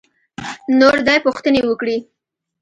نور دې پوښتنې وکړي.